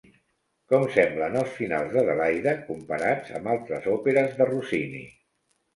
Com semblen els finals d'Adelaide comparats amb altres òperes de Rossini?